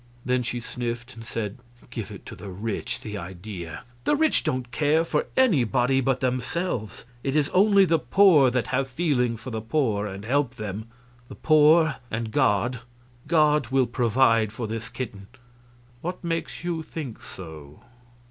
Then she sniffed and said: "Give it to the rich the idea! The rich don't care for anybody but themselves; it's only the poor that have feeling for the poor, and help them. The poor and God. God will provide for this kitten." "What makes you think so?"